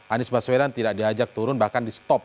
anies baswedan tidak diajak turun bahkan di stop